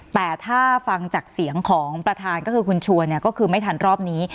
แต่ถ้าฟังจากเสียงของประธานก็คือคุณชัวร์เนี่ยก็คือไม่ทันรอบนี้